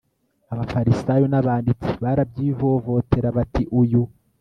abafarisayo n abanditsi barabyivovotera bati uyu